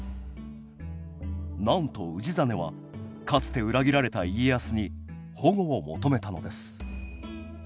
なんと氏真はかつて裏切られた家康に保護を求めたのです